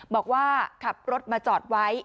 บอกว่าขับรถมาจอดไว้